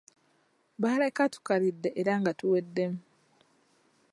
Baleka tukalidde era nga tuwedemu.